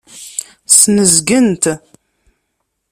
Snezgen-t.